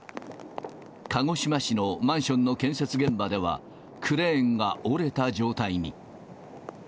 鹿児島市のマンションの建設現場では、クレーンが折れた状態に。